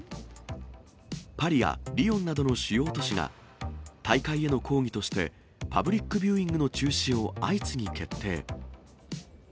パリやリヨンなどの主要都市が大会への抗議として、パブリックビューイングの中止を相次ぎ決定。